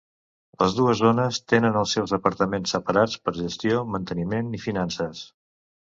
Les dues zones tenen els seus departaments separats per gestió, manteniment i finances.